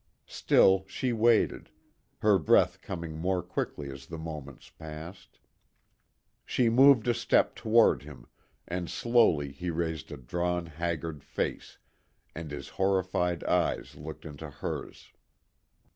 Still she waited, her breath coming more quickly as the moments passed. She moved a step toward him, and slowly he raised a drawn haggard face, and his horrified eyes looked into hers.